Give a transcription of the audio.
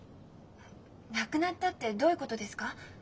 「なくなった」ってどういうことですか？